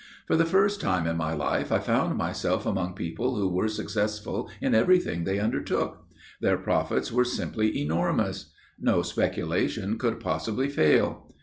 "For the first time in my life, I found myself among a people who were successful in everything they undertook. Their profits were simply enormous. No speculation could possibly fail.